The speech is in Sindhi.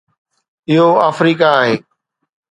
اهو آفريڪا آهي